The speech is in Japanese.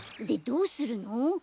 でどうするの？